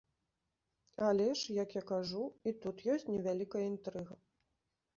Але ж, як я кажу, і тут ёсць невялікая інтрыга.